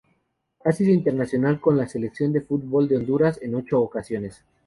Ha sido internacional con la Selección de fútbol de Honduras en ocho ocasiones.